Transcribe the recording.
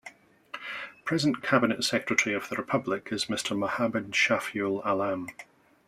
Present Cabinet Secretary of the Republic is Mr. Mohammad Shafiul Alam.